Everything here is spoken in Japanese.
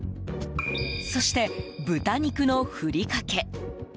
そして、豚肉のふりかけ。